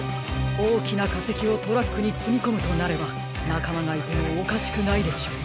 おおきなかせきをトラックにつみこむとなればなかまがいてもおかしくないでしょう。